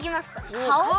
かお？